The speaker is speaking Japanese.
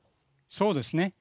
そうですね。